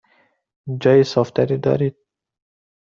جای صاف تری دارید؟